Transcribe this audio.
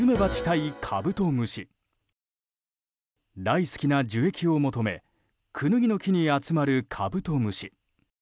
大好きな樹液を求めクヌギの木に集まるカブトムシ。